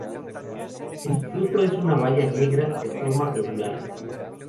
El fruto es una baya negra; de forma globular.